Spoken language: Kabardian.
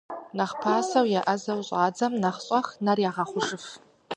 Нэхъ пасэу еӀэзэу щӀадзэм, нэхъ щӀэх нэр ягъэхъужыф.